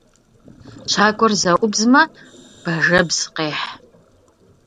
Щакӏуэр зэӏубзмэ, бажэбз къехь.